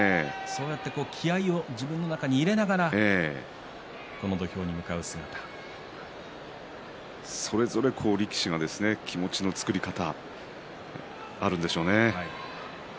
気合いを自分の中に入れながらそれぞれ力士が気持ちの作り方あるんでしょうね。